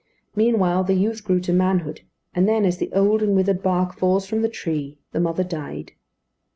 Meanwhile, the youth grew to manhood; and then, as the old and withered bark falls from the tree, the mother died.